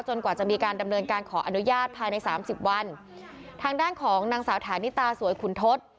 กว่าจะมีการดำเนินการขออนุญาตภายในสามสิบวันทางด้านของนางสาวฐานิตาสวยขุนทศ